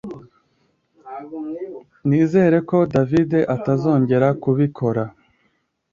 Nizere ko David atazongera kubikora